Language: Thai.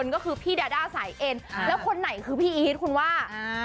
ก็คือพี่ดาด้าสายเอ็นแล้วคนไหนคือพี่อีทคุณว่า